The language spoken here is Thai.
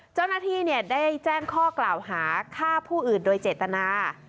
เจ้าหน้าที่ได้แจ้งข้อกล่าวหาฆ่าผู้อื่นโดยเจตนา